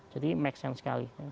jadi make sense sekali